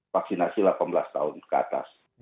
vaksinasi delapan belas tahun ke atas